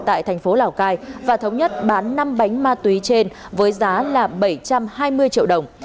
tại thành phố lào cai và thống nhất bán năm bánh ma túy trên với giá là bảy trăm hai mươi triệu đồng